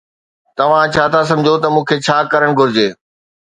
توهان ڇا ٿا سمجهو ته مون کي ڇا ڪرڻ گهرجي؟